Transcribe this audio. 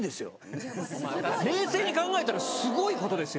冷静に考えたらすごいことですよ。